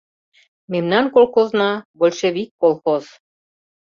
Мемнан колхозна — большевик колхоз.